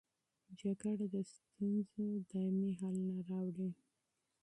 جګړه د ستونزو دایمي حل نه راوړي.